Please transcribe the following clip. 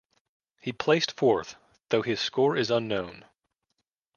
He placed fourth, though his score is unknown.